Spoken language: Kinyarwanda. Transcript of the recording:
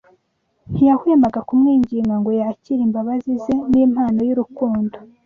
ntiyahwemaga kumwinginga ngo yakire imbabazi ze n’impano y’urukundo.